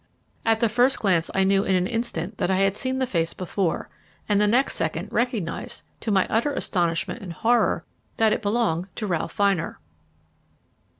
At the first glance I knew in an instant that I had seen the face before, and the next second recognised, to my utter astonishment and horror, that it belonged to Ralph Vyner.